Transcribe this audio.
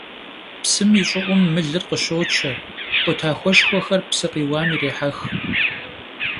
Psım yi ş'ı'um mılır khışoçe, khutaxueşşxuexer psı khiuam yirêhex.